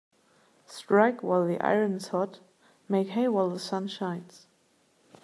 Strike while the iron is hot Make hay while the sun shines.